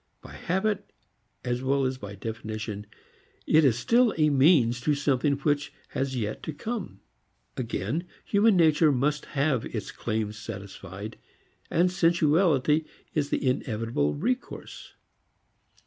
By habit as well as by definition it is still a means to something which has yet to come. Again human nature must have its claims satisfied, and sensuality is the inevitable recourse.